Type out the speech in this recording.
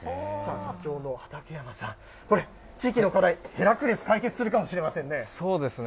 社長の畠山さん、これ、地域の課題、ヘラクレス、解決するかもしれませんね。